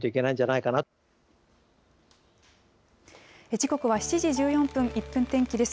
時刻は７時１４分、１分天気です。